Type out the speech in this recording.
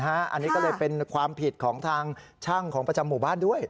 อันนี้ก็เลยเป็นความผิดของทางช่างของประจำหมู่บ้านด้วย